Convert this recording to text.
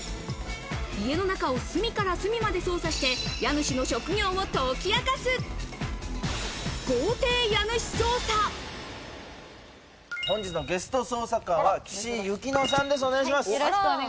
家の中を隅から隅まで捜査して、家主の職業を解き明かす、豪邸家本日のゲスト捜査官は、岸井ゆきのさんです。